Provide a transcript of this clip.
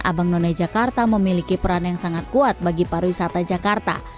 abang none jakarta memiliki peran yang sangat kuat bagi pariwisata jakarta